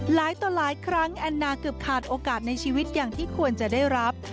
หลายต่อหลายครั้งแอนนาเกือบขาดโอกาสในชีวิตอย่างที่ควรจะได้รับ